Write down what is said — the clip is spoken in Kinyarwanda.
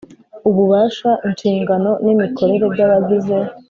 Ububasha inshingano n imikorere by abagize